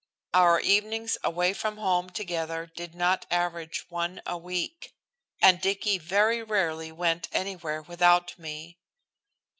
Our evenings away from home together did not average one a week. And Dicky very rarely went anywhere without me.